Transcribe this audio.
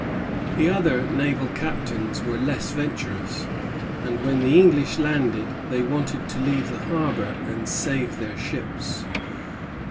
The other naval captains were less venturous; and when the English landed, they wanted to leave the harbor and save their ships.